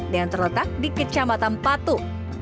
yang terletak di kecamatan patung